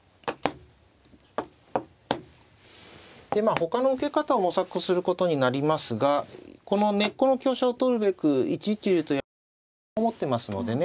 でまあほかの受け方を模索することになりますがこの根っこの香車を取るべく１一竜とやりますと桂馬を持ってますのでね